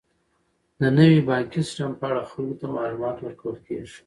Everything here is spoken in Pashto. د نوي بانکي سیستم په اړه خلکو ته معلومات ورکول کیږي.